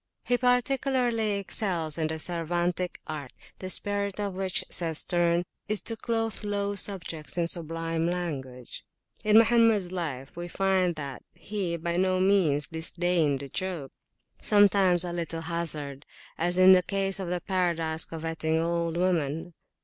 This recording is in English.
He particularly excels in the Cervantic art, the spirit of which, says Sterne, is to clothe low subjects in sublime language. In Mohammeds life we find that he by no means disdained a joke, sometimes a little hasarde, as in the case of the Paradise coveting old woman.